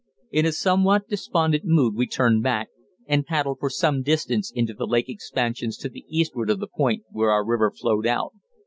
In a somewhat despondent mood we turned back, and paddled for some distance into the lake expansions to the eastward of the point where our river flowed out.